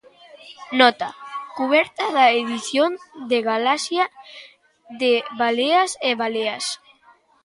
Nota: cuberta da edición de Galaxia de 'Baleas e baleas'.